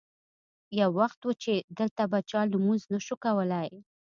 یو وخت و چې دلته به چا لمونځ نه شو کولی.